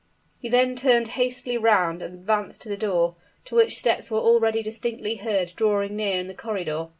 He then turned hastily round and advanced to the door, to which steps were already distinctly heard drawing near in the corridor.